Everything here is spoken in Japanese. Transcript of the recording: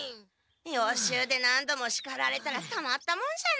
予習で何度もしかられたらたまったもんじゃない。